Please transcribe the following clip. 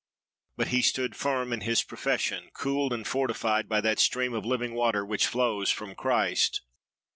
But he stood firm in his profession, cooled and fortified by that stream of living water which flows from Christ.